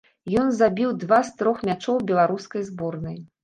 Ён забіў два з трох мячоў беларускай зборнай.